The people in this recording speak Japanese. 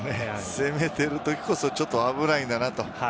攻めているときこそ危ないんだなと。